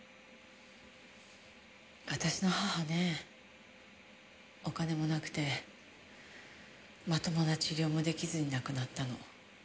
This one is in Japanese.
私の母ねお金もなくてまともな治療も出来ずに亡くなったの。